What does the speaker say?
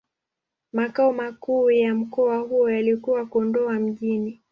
Makao makuu ya mkoa huo yalikuwa Kondoa Mjini.